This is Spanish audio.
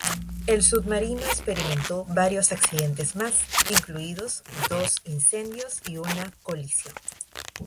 El submarino experimentó varios accidentes más, incluidos dos incendios y una colisión.